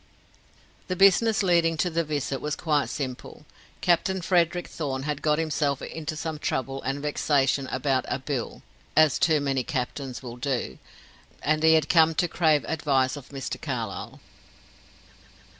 The business leading to the visit was quite simple. Captain Frederick Thorn had got himself into some trouble and vexation about "a bill" as too many captains will do and he had come to crave advice of Mr. Carlyle.